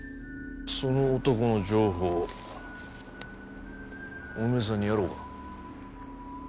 その男の情報お前さんにやろうか？